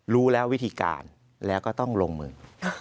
รู้แล้ววิธีการแล้วก็ต้องลงมือ